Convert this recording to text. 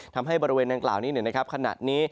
ทำให้บริเวณดังกล่าวนี้ขณะนี้